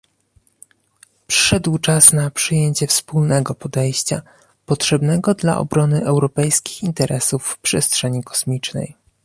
Przyszedł czas na przyjęcie wspólnego podejścia potrzebnego dla obrony europejskich interesów w przestrzeni kosmicznej